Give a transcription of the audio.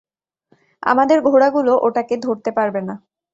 আমাদের ঘোড়াগুলো ওটাকে ধরতে পারবে না।